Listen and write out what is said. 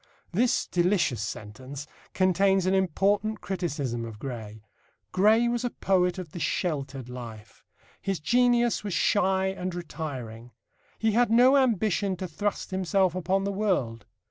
This delicious sentence contains an important criticism of Gray. Gray was a poet of the sheltered life. His genius was shy and retiring. He had no ambition to thrust himself upon the world.